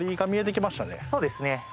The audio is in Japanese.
そうですね。